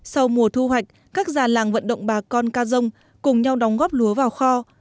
sau mùa thu hoạch các già làng vận động bà con ca dông cùng nhau đóng góp lúa vào kho